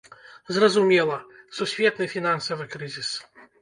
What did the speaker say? Зразумела, сусветны фінансавы крызіс.